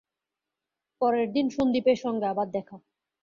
পরের দিনে সন্দীপের সঙ্গে আবার দেখা।